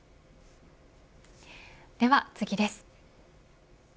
では次です。